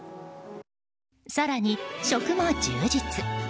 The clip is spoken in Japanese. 更に食も充実。